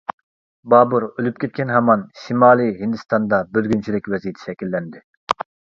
بابۇر ئۆلۈپ كەتكەن ھامان، شىمالىي ھىندىستاندا بۆلگۈنچىلىك ۋەزىيىتى شەكىللەندى.